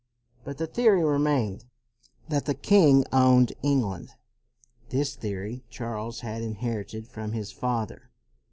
But the theory remained that the king owned Eng land. This theory Charles had inherited from his father.